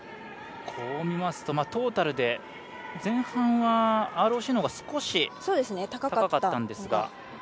こう見ますとトータルで前半はＲＯＣのほうが少し、高かったんですが。